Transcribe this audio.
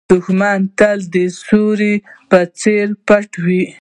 دښمن تل د سیوري په څېر پټ وي